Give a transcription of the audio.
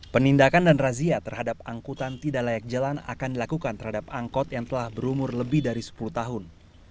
penindakan dan razia terhadap angkutan tidak layak jalan akan dilakukan terhadap angkot yang telah berumur lebih dari sepuluh tahun